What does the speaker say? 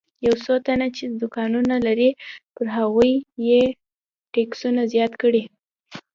یو څو تنه چې دوکانونه لري پر هغوی یې ټکسونه زیات کړي.